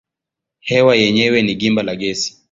Hewa yenyewe ni gimba la gesi.